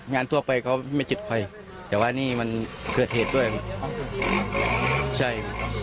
งานทั่วไปเขาไม่จิตค่อยแต่ว่านี่มันเกิดเหตุด้วยใช่